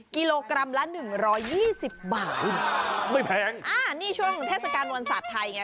กิโลกรัมละหนึ่งร้อยยี่สิบบาทไม่แพงอ่านี่ช่วงเทศกาลวันศาสตร์ไทยไง